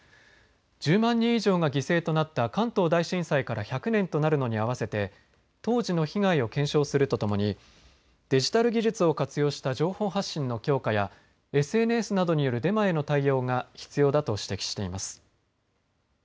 １０万人以上が犠牲となった関東大震災から１００年となるのに合わせて当時の被害を検証するとともにデジタル技術を活用した情報発信の強化やＳＮＳなどによるデマへの対応が必要だと指摘しています。